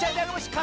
か